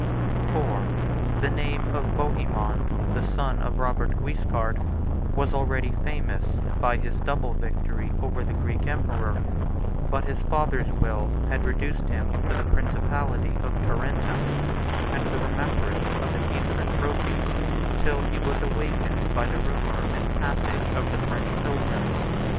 IV. The name of Bohemond, the son of Robert Guiscard, was already famous by his double victory over the Greek emperor; but his father's will had reduced him to the principality of Tarentum, and the remembrance of his Eastern trophies, till he was awakened by the rumor and passage of the French pilgrims.